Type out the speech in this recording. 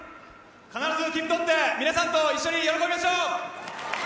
必ず切符を取って皆さん、一緒に喜びましょう！